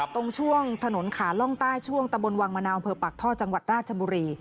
ตรงช่วงถนนขาล่องใต้ช่วงตะบนวังมะนาวอำเภอปากท่อจังหวัดราชบุรี